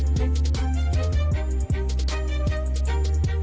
ฝันใจไทยรักค่ะ